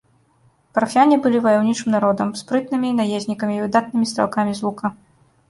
Парфяне былі ваяўнічым народам, спрытнымі наезнікамі і выдатнымі стралкамі з лука.